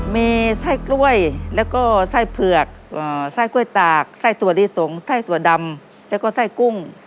มีไส้กล้วยแล้วก็ไส้เผือกไส้กล้วยตากไส้ถั่วลิสงไส้ถั่วดำแล้วก็ไส้กุ้ง